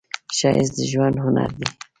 ښایست د ژوند هنر دی